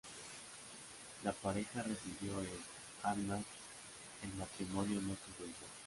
La pareja residió en Arnstadt; el matrimonio no tuvo hijos.